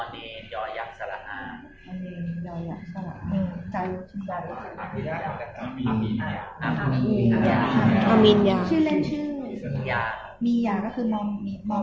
มียาก็คือมองมาขนาดนี้มีตัวเงี้ยเงี้ย